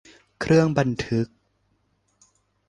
เครื่องบันทึก